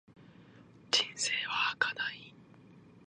人生は儚い。